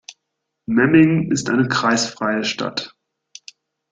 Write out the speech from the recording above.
Memmingen ist eine kreisfreie Stadt.